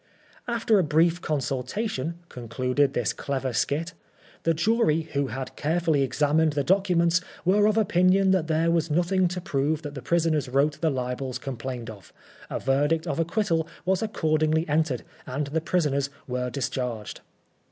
"After a brief consultation," concluded this clever skit, " the jury, who had carefully examined the documents, were of opinion that there was nothing to prove that the prisoners wrote the libels complained of. A verdict of acquittal was accordingly entered, and the prisoners were discharged."